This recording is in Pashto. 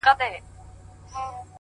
ساده فکر ذهن ته ارامتیا راولي،